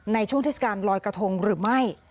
ในช่วงเทศกาลลอยกระทงหรือไม่